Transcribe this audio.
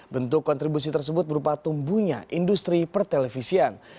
bentuk kontribusi tersebut berupa tumbuhnya industri pertelevisian